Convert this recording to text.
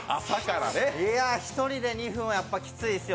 一人で２００回はきついですよ。